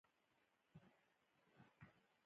پکورې د کور د خوږو بویونه دي